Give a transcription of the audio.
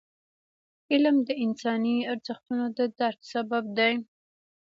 علم د انساني ارزښتونو د درک سبب دی.